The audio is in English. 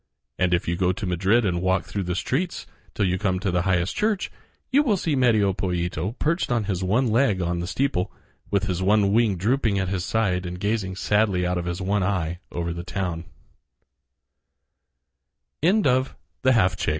And if you go to Madrid and walk through the streets till you come to the highest church, you will see Medio Pollito perched on his one leg on the steeple, with his one wing drooping at his side and gazing sadly out of his one eye over the